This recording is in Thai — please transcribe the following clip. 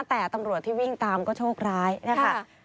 แต่ตำรวจที่วิ่งตามก็โชคร้ายนะคะ